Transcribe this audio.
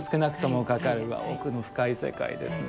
奥の深い世界ですね。